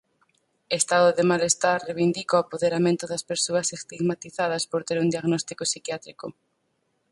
Estado de malestar reivindica o apoderamento das persoas estigmatizadas por ter un diagnóstico psiquiátrico.